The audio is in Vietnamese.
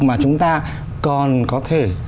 mà chúng ta còn có thể